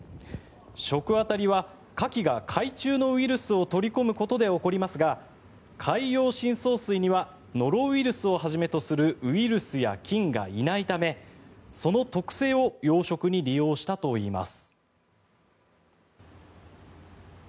食あたりはカキが海中のウイルスを取り込むことで起こりますが海洋深層水にはノロウイルスをはじめとするウイルスや菌がいないためその特性を養殖に利用したといいます。